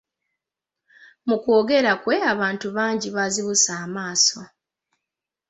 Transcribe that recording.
Mu kwongera kwe abantu bangi bazibuse amaaso.